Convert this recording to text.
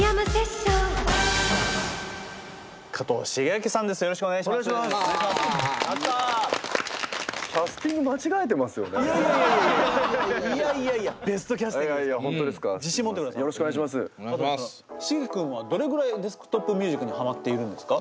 シゲ君はどれぐらいデスクトップミュージックにハマっているんですか？